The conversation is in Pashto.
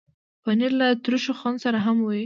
پنېر له ترشو خوند سره هم وي.